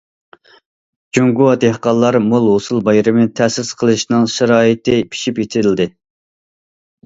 « جۇڭگو دېھقانلار مول ھوسۇل بايرىمى» تەسىس قىلىشنىڭ شارائىتى پىشىپ يېتىلدى.